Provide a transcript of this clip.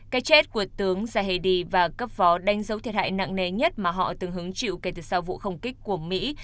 cái chết của tướng jahedi và cấp phó đánh dấu thiệt hại nặng nề nhất mà họ từng hứng chịu kể từ sau vụ không kích của mỹ